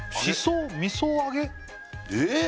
えっ？